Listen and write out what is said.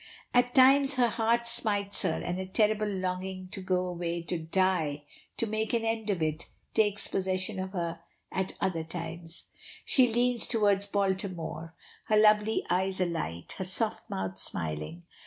At times her heart smites her, and a terrible longing to go away to die to make an end of it takes possession of her at other times. She leans towards Baltimore, her lovely eyes alight, her soft mouth smiling.